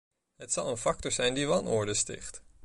Het zal een factor zijn die wanorde sticht.